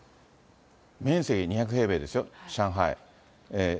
面積２００平米ですよ、上海。